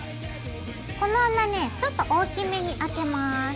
この穴ねちょっと大きめに開けます。